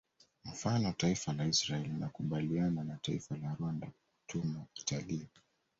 Mfano taifa la Israel linakubaliana na taifa la Rwanda kutuma watalii